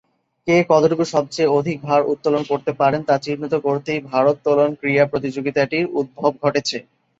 কে, কতটুকু সবচেয়ে অধিক ভার উত্তোলন করতে পারেন তা চিহ্নিত করতেই ভারোত্তোলন ক্রীড়া প্রতিযোগিতাটির উদ্ভব ঘটেছে।